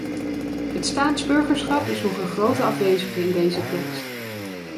Het staatsburgerschap is nog een grote afwezige in deze tekst.